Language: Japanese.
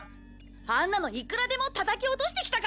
あんなのいくらでもたたき落としてきたから。